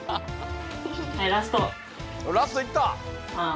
ラストいった！